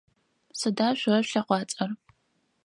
Сыда шъо шъулъэкъуацӏэр?